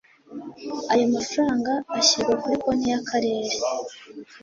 ayo mafaranga ashyirwa kuri konti y akarere